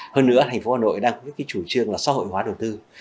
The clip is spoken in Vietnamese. hơn nữa thành phố hà nội đang có cái chủ trương là xã hội hóa đầu tư